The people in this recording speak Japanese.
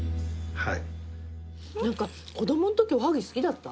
はい。